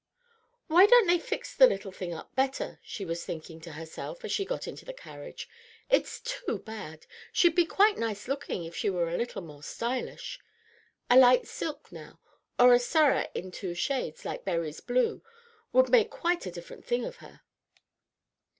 "Why don't they fix the little thing up better?" she was thinking to herself as she got into the carriage. "It's too bad. She'd be quite nice looking if she were a little more stylish. A light silk, now, or a surah in two shades, like Berry's blue, would make quite a different thing of her."